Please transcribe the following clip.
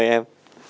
ok mời em